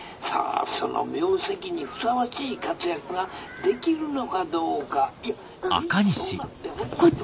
さあその名跡にふさわしい活躍ができるのかどうかいや是非そうなってほしい」。